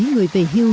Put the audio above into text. người về hưu